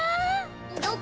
どこ？